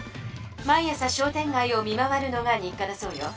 毎朝商店がいを見回るのが日かだそうよ。